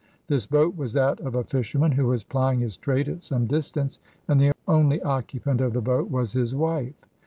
This boat was that of a fisherman who was plying his trade at some distance, and the only occupant of the boat was his wife.